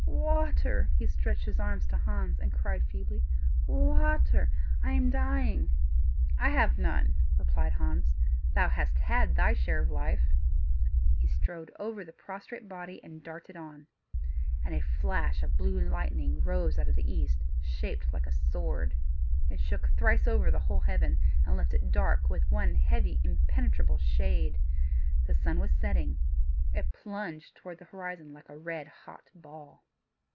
"Water!" he stretched his arms to Hans, and cried feebly, "Water! I am dying." "I have none," replied Hans; "thou hast had thy share of life." He strode over the prostrate body, and darted on. And a flash of blue lightning rose out of the east, shaped like a sword; it shook thrice over the whole heaven, and left it dark with one heavy, impenetrable shade. The sun was setting; it plunged toward the horizon like a red hot ball.